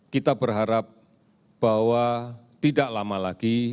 kita berharap bahwa tidak lama lagi